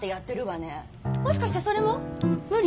もしかしてそれも無理？